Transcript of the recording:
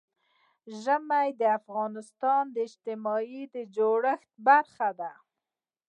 ژمی د افغانستان د اجتماعي جوړښت برخه ده.